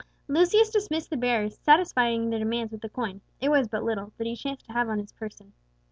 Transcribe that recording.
Lucius dismissed the bearers, satisfying their demands with the coin it was but little that he chanced to have on his person.